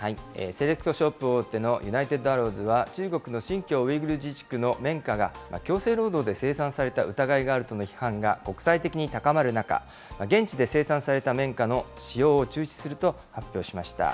セレクトショップ大手の、ユナイテッドアローズは、中国の新疆ウイグル自治区の綿花が強制労働で生産された疑いがあるとの批判が国際的に高まる中、現地で生産された綿花の使用を中止すると発表しました。